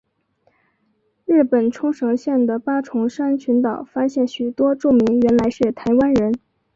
日本冲绳县的八重山群岛发现许多住民原来是台湾人。